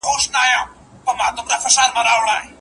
په دې خیریه بنسټ کي له اړمنو خلګو سره مرسته کېږي.